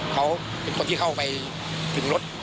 เขาเป็นคนที่เข้าไปถึงรถ